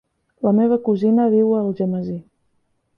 La meva cosina viu a Algemesí.